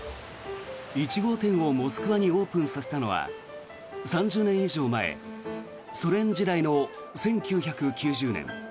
１号店をモスクワにオープンさせたのは３０年以上前ソ連時代の１９９０年。